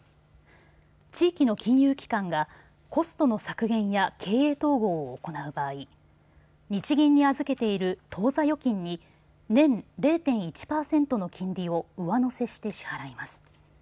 地域の金融機関がコストの削減や経営統合を行う場合日銀に預けている当座預金に年０．１％の金利を上乗せして支払います。